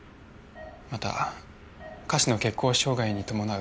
また下肢の血行障害に伴う